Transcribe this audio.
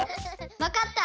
わかった！